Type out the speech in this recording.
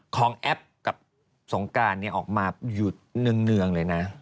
ของแอฟกับสงกรานออกมาหยุดเนืองเลยนะ